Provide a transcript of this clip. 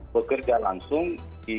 pekerja langsung di